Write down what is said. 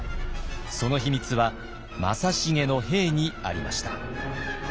その秘密は正成の兵にありました。